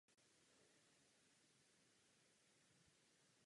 Motor a automatická převodovka se nacházejí v levém zadním rohu vozu.